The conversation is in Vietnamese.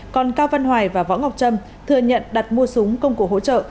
còn cao văn hoài và võ ngọc trâm thừa nhận đặt mua súng công cụ hỗ trợ